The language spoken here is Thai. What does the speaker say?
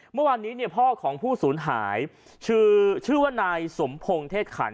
เมื่อวานนี้พ่อของผู้สูญหายชื่อว่านายสมพงศ์เทศขัน